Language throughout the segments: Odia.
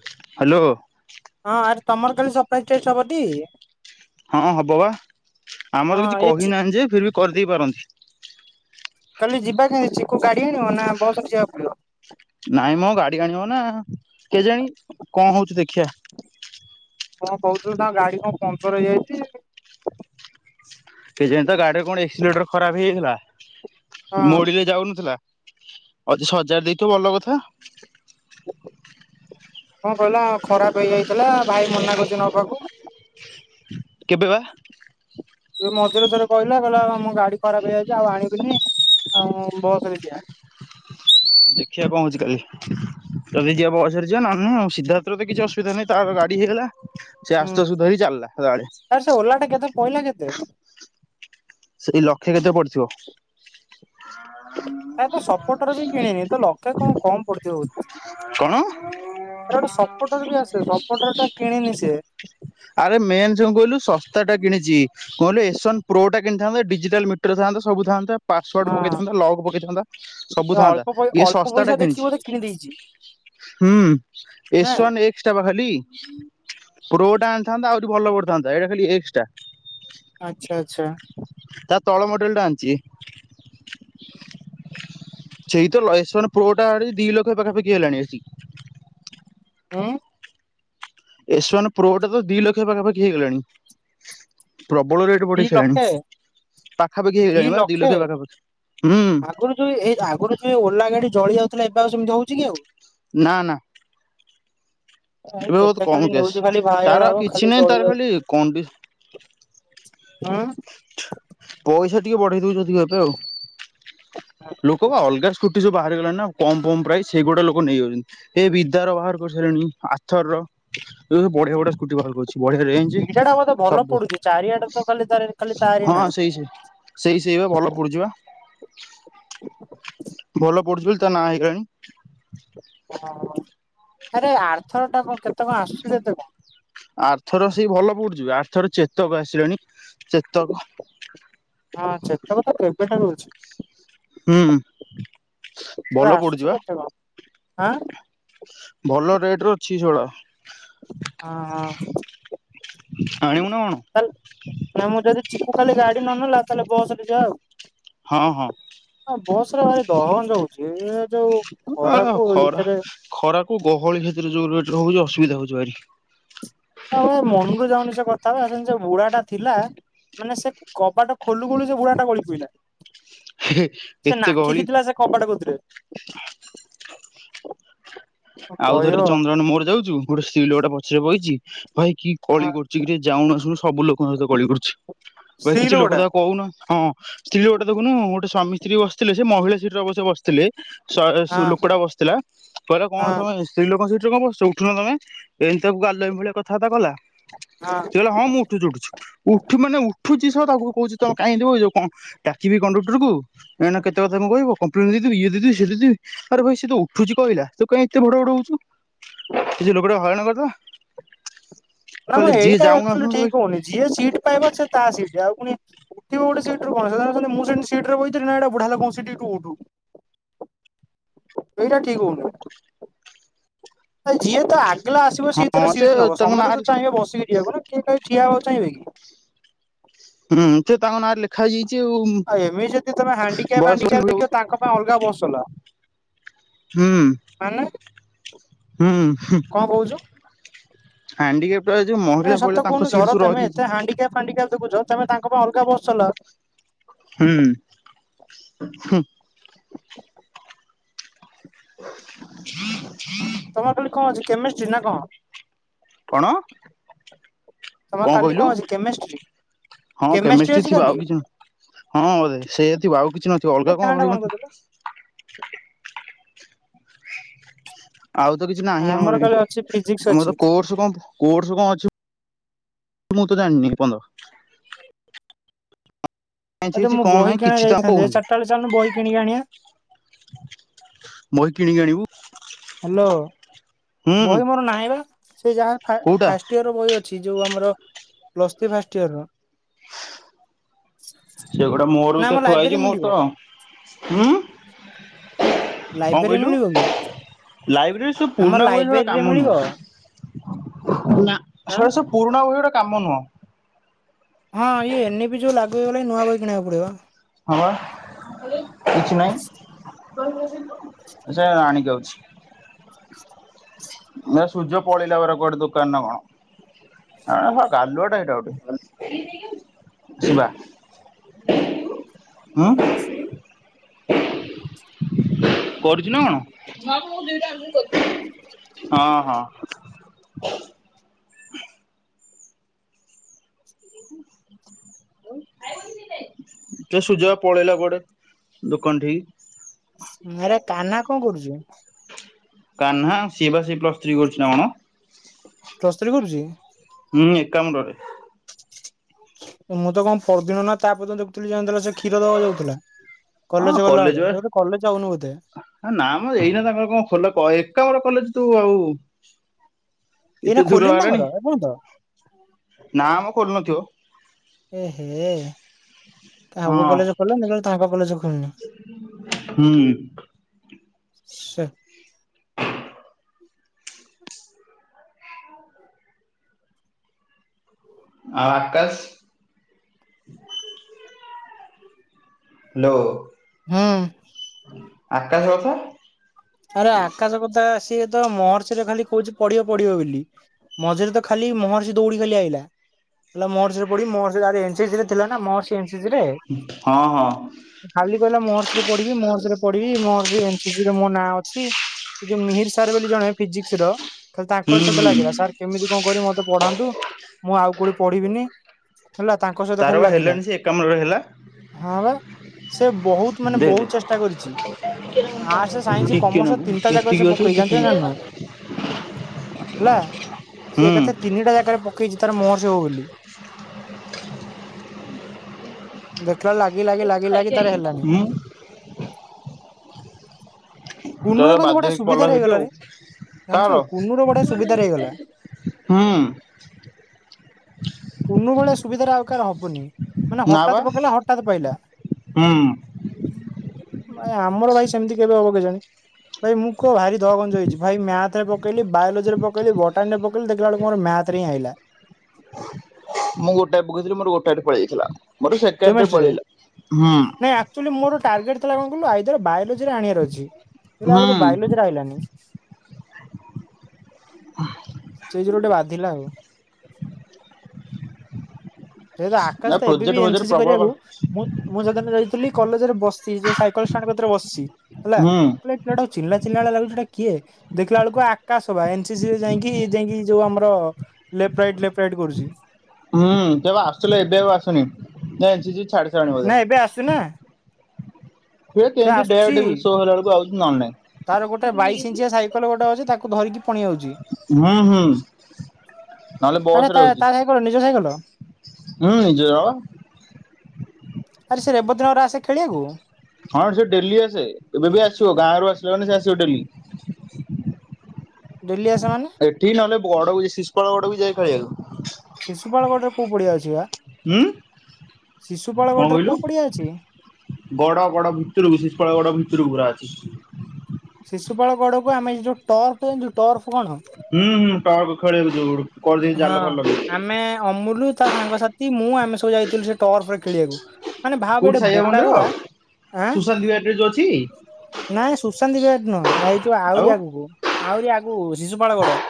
ହ୍ୟାଲୋ। ହଁ। ଆରେ ତମର କାଲି ସରପ୍ରାଇଜ ଟେଷ୍ଟ ହବ ଟି? ହଁ ହବ ବା ଆମର ହଁ କିଛି ଏ ଚି କହିନାହାନ୍ତି ଯେ ଫିର ବି କରିଦେଇ ପାରନ୍ତି। କାଲି ଯିବା କେମିତି ଚିକୁ ଗାଡି ଆଣିବ ନା ବସ ରେ ଯିବାକୁ ପଡିବ? ନାଇଁ ମ ଗାଡି ଆଣିବ ନା। କେଜାଣି କଣ ହଉଛି ଦେଖିିଆ। କଣ କହୁଥିଲୁ ତାଙ୍କ ଗାଡି କଣ ପଂଚର ହେଇଯାଇଛି। କେଜାଣି ତା ଗାଡିରେ କଣ ଏକ୍ସିଲେଟର ଖରାପ ହେଇଯାଇଥିଲା ମୋଡିଲେ ଯାଉନଥିଲା। ଅଜି ସଜାଡି ଦେଇଥିବୁ ଭଲ କଥା। କଅଁ କହିଲା ଖରାପ ହେଇଯାଇଥିଲା ଭାଇ ମନା କରୁଚୁ ନବାକୁ। କେବେ ବା। ଏଇ ମଝିରେ ଥରେ କହିଲା କହିଲା ମୋ ଗାଡି ଖରାପ ହେଇଯାଇଛି। ଆଉ ଆଣିବିନି ଆଉ ବସ ରେ ଯିବା। [inaudible] ଦେଖିଆ କଅଁ ହଉଚି କାଲି। ଯଦି ଯିବା ବସରେ ଯିବା ନହେଲେ ନାଇଁ ଆଉ। ସିଦ୍ଧାର୍ଥର ତ କିଛି ଅସୁବିଧା ନାହିଁ ତ ଗାଡି ହେଇଗଲା। ସେ ଆସୁତୋଶକୁ ଧରି ଚାଲିଲା ସଦାବେଳେ। ତାର୍ ସେ ଓଲା ଟା କେତେ ପହିଲା କେତେ? ସେଇ ଲକ୍ଷେ କେତେ ପଡିଥିବ। ତାର ତ ସପୋଟର ବି କିଣିନି ତ ଲକ୍ଷେ କଣ କମ ପଡିଥିବ ବୋଧେ। କଣ? ତାର ଗୋଟେ ସପୋର୍ଟର ବି ଆସେ ସପୋଟର ଟା କିଣିନି ସେ। ଆରେ ମେନ୍ ଯୋ କହିଲୁ ଶସ୍ତା ଟା କିଣିଛିି। କୁହିଲ ଏସନ୍ ପ୍ରୋ ଟା କିଣିଥାନ୍ତ ଡିଜିଟାଲ ମେଟ୍ରୋ ଥାନ୍ ନ୍ତା ସବୁ ଥାନ୍ତା। ପାସୱାର୍ଡ ପକେଇଥାନ୍ତା, ଲକ୍ ପକେଇଥାନ୍ତା, ସବୁ ହଁ ଥାନ୍ତା। ଅଳ୍ପ ଇଏ ଅଳ୍ପ ଶସ୍ତା ଟା ପଇସା ଦେଖିକି କିଣିଛି। ବୋଧେ କିଣି ଦେଇଛି ହୁଁ ନା ଏସୱାନ ଏକ ଇଷ୍ଟା ବା ଖାଲି ପ୍ରୋଟା ଆଣିଥାନ୍ତା ଆହୁରି ଭଲ କରିଥାନ୍ତା ଏଇଟା ଖାଲି ଏକ୍ଟ୍ରା। ଆଛା, ଆଛା। ତା ତଳ ମଡ଼େଲ ଟା ଆଣିଛି। ସେଇ ତ ଏସ୍ଵନ୍ ପ୍ରୋଟା ଆସି ଦି ଲକ୍ଷ ପାଖାପାଖି ହେଲାଣି ଆସି। ହୁଁ। ଏସୱାନ ପ୍ରୋଟା ତ ଦି ଲକ୍ଷ ପାଖାପାଖି ହେଇଗଲାଣି। ପ୍ରବଳ ରେଟ୍ ଦି ପଢେଇ ସାରିଲାଣି ଲକ୍ଷେ ପାଖାପାଖି ହେଇଗଲାଣି ବା ଦି ଲକ୍ଷ ପାଖାପାଖି। ହୁଁ ଆଗରୁ ଯୋଉ ଏଇ ଆଗରୁ ଯୋଉ ଓଲା ଗାଡି ଜଳି ଯାଉଥିଲା ଏବେ ଆଉ ସେମିତି ହଉଛି କି ଆଉ। ନା ନା। ଦ୍ଭାଇ ଏବେ ବହୁତ କେତେ କମ ଖାଲି କେସ୍ ନିଉଜ ଖାଲି ତାର ଭାଇରାଲ ଆଉ ହବ କିଛି ଖାଲି ନାହିଁ ଜଳି ତାର ଯାଉ ଖାଲି କଣ୍ଡି ଉଁ। ପଇସା ଟିକେ ବଢ଼େଇ ଦଉଚନ୍ତି ଏବେ ଆଉ ଲୋକବା ଅଲଗା ସ୍କୁଟି ସବୁ ବାହାରିଗଲାନା କମ୍ କମ୍ ପ୍ରାଇଜ୍ ସେଗୁଡ଼ା ଲୋକ ନେଇଯାଉଚନ୍ତି। ଏବିଦାର ବାହାର କରି ସାରିଲେଣି ଆର୍ଥର ଏବେସବୁ ବଢ଼ିଆ ବଢ଼ିଆ ସ୍କୁଟି ବାହାର କରଚି ବଢ଼ିଆ ରେଞ୍ଜ ଇଡାଟା ବୋଧେ ଭଲ ସବୁ ପଡ଼ୁଚି ଚାରିଆଡ଼େତ ଖାଲି ତାର ହଁ ସେଇ ସେଇ ସେଇ ସେଇବା ଭଲ ପଡ଼ୁଚିବା। ଭଲ ପଡ଼ୁଚି ବୋଲି ତାନାଁ ହେଇଗଲାଣି। ହଁ ଆରେ ଆର୍ଥରଟା କଣ କେତେ କଣ ଆସୁଚି କେତେ କଣ? ଆର୍ଥରସେ ଭଲ ପଡ଼ୁଚିବେ ଆର୍ଥର ଚେତକ ଆସିଲାଣି ଚେତକ। ହଁ ଚେତକତ କେବେଠାରୁ ଅଛି। ହୁଁ। ତବେ ଭଲ ପଡୁଚି ଆସୁଚି ବା କେତେ କଣ ଆଁ। ଭଲ ରେଟେରେ ଅଛି ସେଗୁଡ଼ାକ। ହଁ, ହଁ। ଆଣିବୁ ନା କଣ? ତାହେଲେ ନା ମୁଁ ଯଦି ଖାଲି ଚିକୁ କାଲି ଗାଡ଼ି ନନେଲା ତାହେଲେ ବସରେ ଯିବା ଆଉ। ହଁ, ହଁ। ବସରେ ଭାରି ଦହଗଞ୍ଜ ହୋଇଛି ଏଯୋଉ ଆ ଖରାକୁ ଖରା ଏଥିରେ। ଖରାକୁ ଗହଳି ସେଥିରେ ଯୋଉ ରେଟ୍ରେ ହୁଉଛି ଅସୁବିଧା ହଉଚି ଭାରି। ହଁପା ମନରୁ ଯାଉନି ସେଥା ତାପରେ ବୁଢ଼ାଟା ଥିଲା ମାନେ ସେକବାଟା ଖୋଲୁ ଗୋଲୁ ସେବୁଢ଼ାଟା ଗୋଳି ପଇଲା। ସେ ଏତେ ଗହଳି ନାଖିକିଥିଲା ସେ କବାଟ କତିରେ। ଆଉ ଥରେ କହିବ ଚନ୍ଦନ ମୋର ଯାଉଚୁ ଗୋଟେ ସ୍ତ୍ରୀ ଲୋକଟେ ପଛରେ ବଇଚି, ଭାଇ କି କଳି କରୁଚିକିରେ ଯାଉନୁ ଆଶୁଣୁ ସବୁ ଲୋକଙ୍କ ସହିତ କଳି କରୁଚି ଭାଇ ସ୍ତ୍ରୀ କିଛି ଲୋକ ଲୋକଟା ତାକୁ କହୁନ ହଁ ସ୍ତ୍ରୀ ଲୋକଟେ ଦେଖୁନୁ ଗୋଟେ ସ୍ୱାମୀ ସ୍ତ୍ରୀ ବସିଥିଲେ ସେମହିଳା ସିଟରେ ଅବଶ୍ୟ ବସିଥିଲେ ସା ସୁ ଲୋକଟା ବସିଥିଲା କଣ କହିଲା ହଁ ତମେ ସ୍ତ୍ରୀ ଲୋକଙ୍କ ସିଟିରେ କଣବସିଚ ଉଠୁନ ତମେ ଏମିତି ତାକୁ ଗାଲୁଆମି ଭଳିଆ କଥାବାର୍ତ୍ତା କଲା ହଁ। ସେକହିଲା ହଁ ମୁଁ ଉଠୁଚି ଉଠୁଛି ଉଠୁ ମାନେ ଉଠୁଛି ସହ ତାକୁ କହୁଚି ତମେ କାଇଏମିତି ହଉଚ ଡାକିବି କଣ୍ଡକ୍ଟରକୁ ଏଁ ନା କେତେ କଥା କଣ କହିବ କମ୍ପ୍ଲେନ୍ ଦେଇଦଉୁ ଇଏ ଦେଇଦବି ସିଏ ଦେଇଦବି ଆରେ ଭାଇ ସେତ ଉଠୁଚି କହିଲା। ତୁ କାଇ ଏତେ ଭଡ଼ ଭଡ଼ ହଉଚୁ ସେଲୋକଟା ହଇରାଣ କରିଦବା। ନାମୋ ଏଇଟା ଆକ୍ଚୁଆଲି ଠିକ୍ ହଉନି ଯିଏ ସିଟ୍ ପାଇବ ସିଏ ତାସିଟ୍ ଆଉ ପୁଣି ଉଠିବ ଗୋଟେ ସିଟିରୁ କଣ ସେତାଙ୍କର କହିଲେ ମୁଁ ସେମିତି ସିଟିରେ ବଇଥିଲି ନାଏଟା ବୁଢାଲୋକଙ୍କ ସିଟ୍ ଏଠୁ ଉଠୁ। ଏଇଟା ଠିକ୍ ହଉନି। ଏଯିଏ ତାର ଆଗେଲା ଆସିବ ସିଏତାର ହଁ ସେ ସିଟ୍ ନବ ତାଙ୍କ ନାଁରେ ସମେତ ଚାହିଁବେ ବସିକି ଯିବାକୁନା କିଏ କାଇ ଠିଆ ହବାକୁ ଚାହିଁବେକି ହୁଁ ସିଏତାଙ୍କ ନାଁରେ ଲେ ଆଉ ଏମିତି ଯଦି ତମେ ହାଣ୍ଡିକା ବୟସ ଫାଣ୍ତିକା ହୁଁ ଦେଖିବ ତାଙ୍କ ପାଇଁ ଅଲଗା ବସ୍ ଚଲାଅ। ହୁଁ। ମାନେ ହୁଁ ହୁ କଣ କହୁଛୁ? ଆଡିିକା ଏରା ଯୋଉ ମହିଳା ଫଇଳା ତାଙ୍କ ସିଟ୍ ସବୁ ରହିିଯାଇଚି। ହ୍ୟାଣ୍ଡ କପା ଦେଖୁଚ ତମେ ତାଙ୍କ ପାଇଁ ଅଲଗା ବସ୍ ଚଲାଅ। ହୁଁ ହୁଁ। [inaudible] ତମର କାଲି କଣ ଅଛି କେମିଷ୍ଟ୍ରି ନାକଣ? କଣ? ତମେ କାଲି କଣ ଅଛି କେମିଷ୍ଟ୍ରି? ହଁ କେମିଷ୍ଟ୍ରି ଅଛି ଥିବ କାଲି ଆଉ କିଛି ନ ହଁ ବୋଧେ ସେ ଥିବ ଆଉ କିଛି ନଥିବ ତୋ ଅଲଗା ଫ୍ୟାନ୍ କଣ ଟା ବନ୍ଦ ରହିବନି କରିଦେଲୁ। ଆଉ ତ କିଛି ନାହିଁ ଆମର ବି କାଲି ଅଛି ଫିଜିକ୍ସ ଆମର ଅଛି ତ କୋର୍ସ କଣ? କୋଶ କଣ ଅଛ ମୁଁ ତ ଜାଣିନି ଏପନ୍ତ। ସାଇନ୍ସ ଆ ଯୋଉ ହେଇଛି ମୁ କଣ ବହି ନାହିଁ କିଣା କିଛି ତ ଆମକୁ ଯାଇଥାନ୍ତେ କହୁନାହାନ୍ତି ଚାରିଟାବେଳେ ଚାଲୁନୁ ବହି କିଣିକ ଆଣିବା। ବହି କିଣିକି ଆଣିବୁ। ହ୍ୟାଲୋ ହୁଁ ବହି ମୋର ନାହିଁ ବା ସେ ଯାହା ଫାଷ୍ଟ କୋଉଟା ଫାଷ୍ଟ ଦ୍ୱିତୀୟ ର ବହି ଅଛି ଯୋଉ ଆମର ପ୍ଲସ୍ ଥ୍ରୀ ଫାଷ୍ଟ ଇୟର। ସେଗୋଟା ମୋର ବି ନା ତ ଆମ ଥୁଆଇଛି ଲାଇବ୍ରେରୀ ମୋର ମିଳିବ ତ ହୁଁ ହଁ ଲାଇବ୍ରେରୀରେ କହିଲୁ ମିଳିବ କି? ଲାଇବ୍ରେରୀ ସବୁ ଆମ ପୁରୁଣା ବ ହିଁ ଧରା ଲାଇବ୍ରେରୀରେ କାମ ମିଳିବ ନୁହଁ? ନା ଆଁ ସେ ପୁରୁଣା ବହି ଗୁରା କାମ ନୁହଁ ହଁ ଇ ଏନଇି ଯଉ ଲାଗିବଗଲା ନୂଆ ବହି କିଣିବାକୁ ପଡିବ ହଁବା କିଛି ନାହିଁ ସେ ଆଣିଛି ଅଛି ଏ ସୁର୍ଯ୍ୟ ପଲେଇଲା ପରା କୁଆଡେ ଦୋକାନ ନା କଣ? ଆ ହା ଗାଲୁଆଟା ଏଟା ଗୋଟେ। ଆଁ। କରୁଛି ନା କଣ ହଁ ହଁ। ତ ସୁର୍ଯ୍ୟ ପଳେଇଲା କୁଆଡେ ଦୋକାନଠିକି। ଆରେ କାହ୍ନା କଣ କରୁଚି? କାହ୍ନା ସିଏ ବା ସେଇ ପ୍ଲସ ଥ୍ରୀ କରୁଛି ନା କଣ? ପ୍ଲସ ଥ୍ରି କରୁଛି। ହୁଁ ଏକ କାମ ରେ। ମୁଁ ତ କଣ ପରଦିନ ନା ତାପର୍ଦିନ ଦେଖୁଥିଲି ଯାଇ ସେ କ୍ଷୀର ଦବାକୁ ଯାଉଥିଲା। କଲେଜ ଗଲାବେଳେ ସେ ବୋଧେ କଲେଜ ଯାଉନି ବୋଧେ। ଏ ନାମ ର ଏଇନା ତାଙ୍କର କଣ ଖୋଲ କ ଏକାମ୍ର କଲେଜ ତୁ ଆଉ ଏଇନା ଏତେ ଦୂର ଖୋଲିନି ହେଲାଣି ତାଙ୍କର ଏପର୍ଯ୍ୟନ୍ତ? ନା ଆମ ଖୋଲୁନ୍ନଥିବ। ଏ ହେ ତା ହବୁ କଲେଜ ଖୋଲ ନ ତାଙ୍କ କଲେଜ ଖୋଲିନି। ହୁଁ। ସେ ଆଉ ବାକାସ ନଅ ହୁଁ। କଥା ଆରେ ଆକାଶ କଥା ଆ ସ ତ ମହର୍ଷିରେ ଖାଲି କହୁଛି ପଡିବ ପଡିବ ବୋଲି। ମଝିରେ ତ ଖାଲି ମହରଷି ଦୌଡ଼ି ଖାଲି ଆଇିଲା। ହେ ମୋରେ ପଡି ମୋ ଏ ରେ ଥିଲା ନା [unintelligible] ରେ। ହଁ ହଁ। ଖାଲି କହିଲା ମହର୍ଷ ରେ ପଢିବି ମହର୍ଷ ରେ ପଢିବି ମର୍ ଏସିରେ ମୋ ନାଁ ଅଛି। ସେ ଯୋଉ ମିହିର ସାର୍ ବୋଲି ଜଣେ ଫିଜିକ୍ସ ର ଖ ହୁଁ ତାଙ୍କର ସହିତ ହୁଁ ଲାଗିଲା ସାର୍। କେମିତି କଣ କରିବି ମତେ ପଢାନ୍ତୁ ମୁଁ ଆଉ କୋଉଠି ପଢିବିନି। ହେଲା ତାଙ୍କ ସହିତ ତାର ଖାଲି ବା ଲାଗିଲା ହେଲାଣି ସେ ଏକାବନରେ ହେଲା। ହଁ ବା। ସେ ବୋହୁତ ମାନେ ଦେ ଦେ ବୋହୁତ ଚେଷ୍ଟା କରିଛି ଆର୍ଟସ ସାଇନ୍ସ ଟିକେ କମର୍ସ ନାକୁ ତିନି। ଟା ଜାାଗ ଏତିକି ସେ ଅଛି ପକେଇ ଟିକେ ଯାନ୍ତିନୁ। ହୁଁ। ତିନିଟା ଜାଗାରେ ପକଛି ତ ମୋର୍ଚ ହବ ବୋଲି। ଦେଖିଲା ବେଳୁ ଲାଗି ଲାଗି ଲାଗି ଲାଗି ତାର ହେଲାନି। ହୁଁ। ତ କୁନୁର କିନ୍ତୁ ବାଧ୍ୟ ଗୋଟେ ହେଇକି ପଢିଲ ସୁବିଧାରେ ସେଇଠି ହେଇଗଲା ଆଉ ରେ ଜାଣିଛୁ କାର କୁନୁର ଗୋଟେ ସୁବିଧାରେ ହେଇଗଲା। [inaudible] ହୁଁ। କୁନୁ ଭଳିଆ ସୁବିଧାରେ ଆଉ କାର ହବନି ମାନେ ନା ବା ହଠାତ୍ ପକେଇଲା ହଠାତ୍ ହୁଁ ପାଇଲା। ! ! ! ! ! ! ! ! ! ! ଆମର ଭାଇ ସେମିତି କେବେ ହବ କେଜାଣି। ଭାଇ ମୁଁ କହ ଭାରି ଦହମଞ୍ଜ ହେଇଛି ଭାଇ ମ୍ୟାଥରେ ପକେଇଲି ବାୟୋଲୋଜିରେ ପକେଇଲି ବଟାନୀରେ ପକେଇଲି ଦେଖିଲା ବେଳୁକୁ ମୋର ମ୍ୟା ଥରେ ହିଁ ଆଇଲା। ମୁଁ ଗୋଟାଏ ପକେଇଥିଲି ମୋର ଗୋଟାଏରେ ପଳେଇ ଆଇଥେଲା। କେମେଷ୍ଟ୍ରିରେ ନାଇଁ ଆକ୍ଚୁଏଲି ମୋର ଟାର୍ଗେଟ୍ ଥେଲା କଁ କହିଲୁ ଆଇଦର୍ ବାୟୋଲୋ ଜିରେ ଆଣିଆର ଅଛି ଦେଖିଲା ହୁଁ ବେଳୁକୁ ବାୟୋଲୋଜିରେ ଆଇଲାନି। ଛେଇ ଯୋଗୁରୁ ଗୋଟେ ବାଧିଲା ଆଉ। ତୋ ସହିତ ନା ଆକାଶ ତ ଏବେ ପ୍ରୋଜେକ୍ଟ ବି ଏନ୍ ଫୋଜେକ୍ଟ ସି ସି ପ୍ରବଳ କରିଆକୁ ହୁଁ ମୁଁ ମୁଁ ସେଦିନ ଯାଇଥିଲି କଲେଜରେ ବସି ଯୋଉ ସାଇକଲ ସାଣ୍ଡ୍ କତିରେ ବସଚି ହେଲା [unintelligible] ପିଲାଟାକୁ ଚିହ୍ନିଲା ଚିହ୍ନିଲା ଭଳିଆ ଲାଗୁଛି ଏଇଟା କିଏ? ଦେଖିଲା ବେଳୁକୁ ଆକାଶ ବା ଏନ୍ ସି ସି ରେ ଯାଇଁକି ଯାଇଁକି ଯୋଉ ଆମର ଲେପ୍ ରାଇଟ୍ ଲେପ୍ ରାଇଟ୍ କରୁଚି। ହୁଁ ସିଏ ବା ଆସୁଥିଲେ ଏବେ ଆଉ ଆସୁନି ତେ ଏନ୍ ସି ସି ଛାଡି ସାରିଲାଣି ବୋଧେ। ନାଇଁ ଏବେ ଆସୁଚି ନା। ହୁଏ ସେ କେନ୍ତି ଡେୟାର୍ ଆସୁଛି ଡେବିଲ୍ ସୋ ହେଲା ବେଳୁକୁ ଆଉଚି ନ ହେଲେ ତାର ଗୋଟେ ନାଇଁ। ବାଇଶ ଇଞ୍ଚିଆ ସାଇକେଲ ଗୋଟେ ଅଛି ତାକୁ ଧରିକି ପଣି ଆଉଛି। ହୁଁ ହୁଁ। ନହେଲେ ନା ବସରେ ତା ସାଇକଲ ନିଜ ସାଇକଲ। ହୁଁ ନିଜର। ଆରେ ସେ [unintelligible] ରେ ଆସେ ଖେଳିଆକୁ। ହଁ ସିଏ ଡେଲି ଆସେ ଏବେ ବି ଆସିବ ଗାଁରୁ ଆସିଲେ ମାନେ ସିଏ ଆସିବ ଡେଲି। ଡେଲି ଆସେ ମାନେ। ଏଠି ନହେଲେ ବଡଗୁଇ ଶିଶୁପାଳ ଗଡକୁ ବି ଯାଏ ଖେଳିଆକୁ। ଶିଶୁପାଳ ଗଡରେ କୋଉ ପଡିଆ ଅଛି ବା। ହୁଁ ଶିଶୁପାଳ କଁ ଗଡରେ କହିଲୁ? କୋଉ ପଡିଆ ଅଛି? ଗଡ ଗଡ ଭିତୁରୁକୁ ଶିଶୁପାଳ ଗଡ ଭିତୁରୁକୁ ପୁରା ଅଛି। ଶିଶୁପାଳ ଗଡକୁ ଆମେ ଯୋଉ ଟର୍ଫ ଜାଣିଚୁ ଟର୍ଫ କଣ? ହୁଁ ହୁଁ ଟର୍କ ଖେଳିଆକୁ ଯୋଉ [unintelligible] ଦେଇ ଜାଲ ଫାଲ। ଆ ଅମୁଲୁ ତା ସାଙ୍ଗସାତି ମୁଁ ଆମେ ସବୁ ଯାଇଥିଲୁ ସେ ଟର୍ଫରେ ଖେଳିବାକୁ। ମାନେ ଭାବେ କୋଉଠି ଏଡେ ସାଇବାବା ବୋକା ମନ୍ଦିର ଗୁରା ଆଁ ସୁଶାନ୍ତି ବିହାର ରେ ଯୋଉ ଅଛି ନାଇଁ ସୁଶାନ୍ତି ବିହାର ନୁହଁ ଆ ଏ ଯୋଉ ଆଉ ଆହୁରି ଆଗୁକୁ। ଆହୁରି ଆଗୁକୁ ଶିଶୁପାଳ ଗଡ।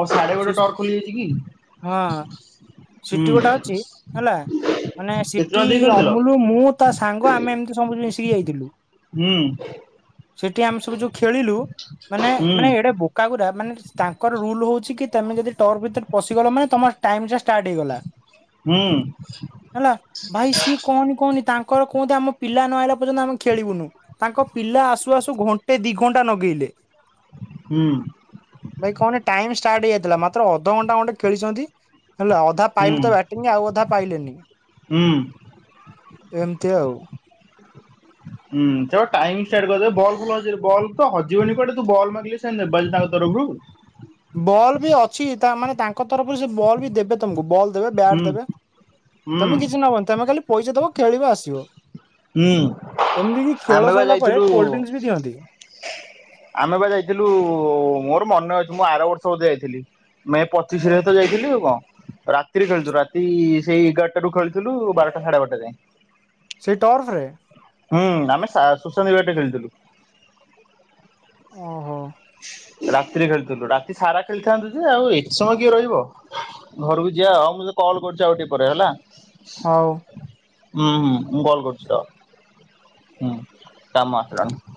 ଓ ସାଢେ ଗୋଟେ ଶିଶୁ ଟର୍କ ଖୋଲିଯାଇଛି ହଁ କି? ସିଟି ହୁଁ ଗୋଟା ଅଛି ହେଲା ମାନେ କେତେ ସିଠି ଟଙ୍କା ଦେଇ ଖେଳିଥିଲ ଅମୁଲ ମୁଁ ତା ସାଙ୍ଗ ଆମେ ଏମତି ସବୁ ମିଶିକି ଯାଇଥିଲୁ। ହୁଁ ସେଠି ଆମେ ସବୁ ଯୋଉ ଖେଳିଲୁ ମାନେ ହୁଁ ମାନେ ଏଡେ ବୋ କା ଗୁରା ମାନେ ସ୍ ତାଙ୍କର ରୁଲ୍ ହଉଛି କି ତମେ ଯଦି ଟର୍ଫ ଭିତରେ ପଶିଗଲ ମାନେ ତମ ଟାଇମଟା ଷ୍ଟାଟ୍ ହେଇଗଲା। ହୁଁ ହେଲା ଭାଇ ସିଏ କହନି କହନି ତାଙ୍କର କୁହନ୍ତି ଆମ ପିଲା ନ ଆଇଲା ପର୍ଯ୍ୟନ୍ତ ଆମେ ଖେଳିବୁନୁ। ତାଙ୍କ ପିଲା ଆସୁ ଆସୁ ଘଣ୍ଟେ ଦି ଘଣ୍ଟା ନଗେଇଲେ। ହୁଁ। ଭାଇ କହନି ଟାଇମ ଷ୍ଟାର୍ଟ ହେଇଯାଇଥିଲା। ମାତ୍ର ଅଧଘଣ୍ଟା ଘଣ୍ଟେ ଖେଳିଛନ୍ତି ହେଲା। ଅଧା ହୁଁ ପାଇଲେ ତ ବ୍ୟାଟିଂ ଆଉ ଅଧା ପାଇଲେନି। ହୁଁ। ଏମତି ଆଉ ହୁଁ। ସେ ପା ଟାଇମ୍ ଷ୍ଟାର୍ଟ କରିଦେବେ। ବଲ ଭଲ ଅଛି ହେରି। ବଲ ତ ହଜିବନି କୁଆଡେ। ତୁ ବଲ ମାଗିଲେ ସେ ହେ ନେବାଲ୍ ତାଙ୍କ ତରଫରୁ। ବଲ୍ ବି ଅଛି, ତା ମାନେ ତାଙ୍କ ତରଫରୁ ସେ ବଲ୍ ବି ଦେବେ ତମକୁ। ବଲ୍ ଦେବେ ହୁଁ ବ୍ୟାଟ ଦେବେ। ହୁଁ ତମେ କିଛି ନବନି। ତମେ ଖାଲି ପଇସା ଦବ, ଖେଳିବ, ଆସିବ। ହୁଁ ଏମିତିକି ଆମେ ଖେଳ ବା ସରିଲା ପରେ ଯାଇଥିଲୁ କୋଲ୍ଡ ଡ୍ରିଙ୍କସ୍ ବି ଦିଅନ୍ତି। ଆମେ ବା ଯାଇଥିଲୁ। ମୋର ମନେ ଅଛି, ମୁଁ ଆର ବର୍ଷ ବୋଧେ ଯାଇଥିଲି। ମେ ପଚିଶିରେ ତ ଯାଇଥିଲି ଆଉ କଣ? ରାତିରେ ଖେଳୁଥିଲୁ। ରାତି ସେଇ ଏଗାରଟାରୁ ଖେଳିଥିଲୁ ବାରଟା ସାଢେ ବାରଟା ଯାଏ। ସେଇ ଟର୍ଫରେ? ହୁଁ ଆମେ ସା ସୁଶାନ୍ତି ବ୍ୟାଟରେ ଖେଳିଥିଲୁ। ଓହୋ ରାତିରେ ଖେଳୁଥିଲୁ। ରାତି ସାରା ଖେଳିଥାନ୍ତୁ ଯେ, ଆଉ ଏତେ ସମୟ କିଏ ରହିବ? ଘରକୁ ଯିବା। ଆଉ ମୁଁ ତ କଲ୍ କରୁଛି ଆଉ ଟିକେ ପରେ ହେଲା। ହଉ। ହୁଁ ହୁଁ ମୁଁ କଲ୍ କରୁଛି ରହ। ହୁଁ କାମ ଆସିଲାଣି।